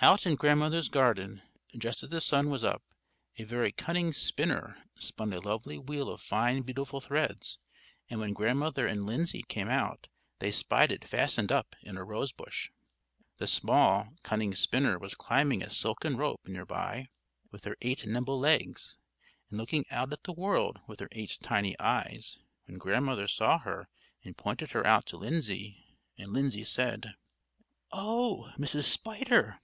Out in Grandmother's garden, just as the sun was up, a very cunning spinner spun a lovely wheel of fine beautiful threads; and when Grandmother and Lindsay came out, they spied it fastened up in a rose bush. The small, cunning spinner was climbing a silken rope near by with her eight nimble legs, and looking out at the world with her eight tiny eyes, when Grandmother saw her and pointed her out to Lindsay; and Lindsay said: "Oh, Mrs. Spider!